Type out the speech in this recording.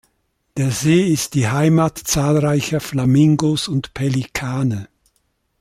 Der See ist die Heimat zahlreicher Flamingos und Pelikane.